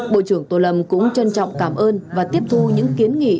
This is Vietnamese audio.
bộ trưởng tô lâm cũng trân trọng cảm ơn và tiếp thu những kiến nghị